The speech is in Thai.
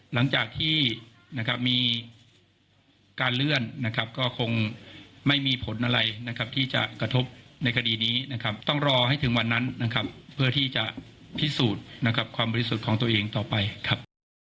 หลังจากที่นะครับมีการเลื่อนนะครับก็คงไม่มีผลอะไรนะครับที่จะกระทบในคดีนี้นะครับต้องรอให้ถึงวันนั้นนะครับเพื่อที่จะพิสูจน์นะครับความบริสุทธิ์ของตัวเองต่อไปครับ